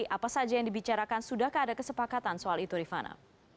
apa saja yang dibicarakan sudahkah ada kesepakatan soal itu rifana